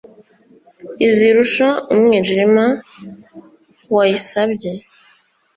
Izirusha umwijima wayisabye,